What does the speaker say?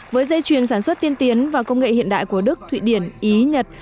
với dây chuyền sản xuất tiên tiến và công nghệ hiện đại của đức thụy điển ý nhật